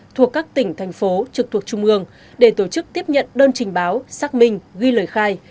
thuộc các tỉnh thành phố trực thuộc trung ương để tổ chức tiếp nhận đơn trình báo xác minh ghi lời khai